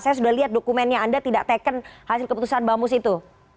saya sudah lihat dokumennya anda tidak teken hasil keputusan bamus itu